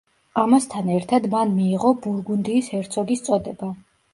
ამასთან ერთად, მან მიიღო ბურგუნდიის ჰერცოგის წოდება.